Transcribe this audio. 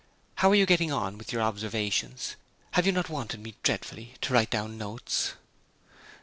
How are you getting on with your observations? Have you not wanted me dreadfully, to write down notes?'